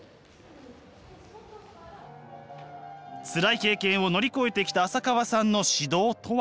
つらい経験を乗り越えてきた浅川さんの指導とは？